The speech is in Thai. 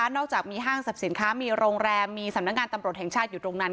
จากมีห้างสรรพสินค้ามีโรงแรมมีสำนักงานตำรวจแห่งชาติอยู่ตรงนั้น